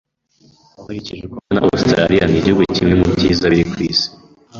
Nkurikije uko mbona, Ositaraliya ni kimwe mu bihugu byiza ku isi.